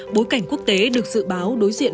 bối cảnh quốc tế được dự báo đối diện